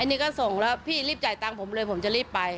อันนี้ก็ส่งแล้วพี่รีบจ่ายตังค์ผมเลยผมจะรีบไป